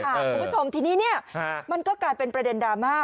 คุณผู้ชมทีนี้มันก็กลายเป็นประเด็นดราม่า